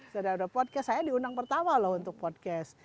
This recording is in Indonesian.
sudah ada podcast saya diundang pertama loh untuk podcast